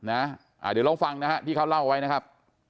เดี๋ยวลองฟังนะฮะที่เขาเล่าไว้นะครับ